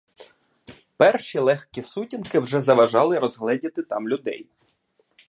Перші легкі сутінки вже заважали розгледіти там людей.